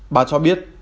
bà cho biết